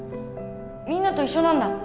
みんなと一緒なんだ。